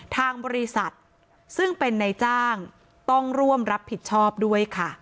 ทางบริษัทซึ่งเป็นนายจ้างต้องร่วมรับผิดชอบด้วยค่ะ